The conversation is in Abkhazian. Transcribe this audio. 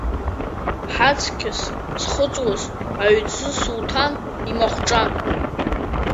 Хаҵкьыс зхыҵуаз, Аҩӡы Сулҭан имахәҿа…